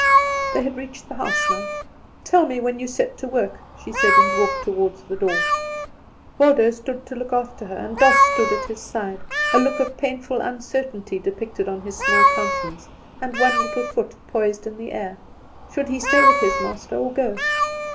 They had reached the house now. "Tell me when you set to work," she said, and walked toward the door. Waldo stood to look after her, and Doss stood at his side, a look of painful uncertainty depicted on his small countenance, and one little foot poised in the air. Should he stay with his master or go?